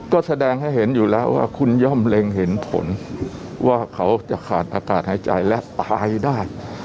ก็แสดงให้เห็นอยู่แล้วว่าคุณย่อมเล็งเห็นผลว่าเขาจะขาดอากาศหายใจและตายได้